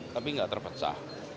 tapi enggak terpecah